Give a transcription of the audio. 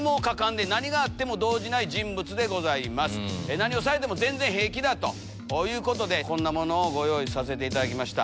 何をされても全然平気だということでこんなものをご用意させていただきました。